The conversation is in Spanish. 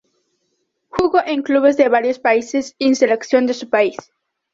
Jugó en clubes de varios países y en la selección de su país.